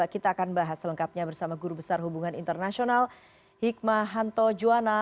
kita akan bahas selengkapnya bersama guru besar hubungan internasional hikmahanto juwana